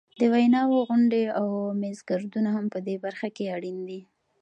د ویناوو غونډې او میزګردونه هم په دې برخه کې اړین دي.